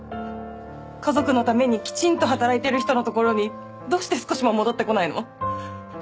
家族のためにきちんと働いてる人のところにどうして少しも戻ってこないの？